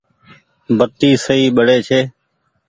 بتي سئي ٻڙي ڇي۔